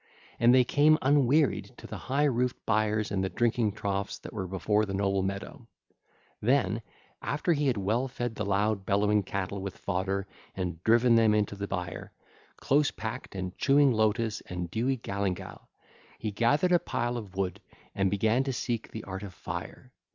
And they came unwearied to the high roofed byres and the drinking troughs that were before the noble meadow. Then, after he had well fed the loud bellowing cattle with fodder and driven them into the byre, close packed and chewing lotus and began to seek the art of fire.